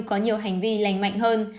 có nhiều hành vi lành mạnh hơn